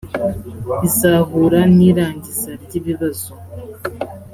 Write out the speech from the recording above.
izahura n’irangiza ry’ibibazo